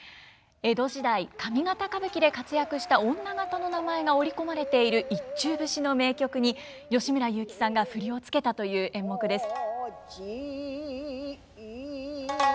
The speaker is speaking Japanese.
江戸時代上方歌舞伎で活躍した女方の名前が織り込まれている一中節の名曲に吉村雄輝さんが振りを付けたという演目です。